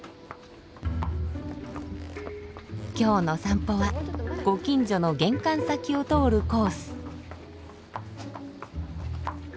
今日の散歩はご近所の玄関先を通るコース。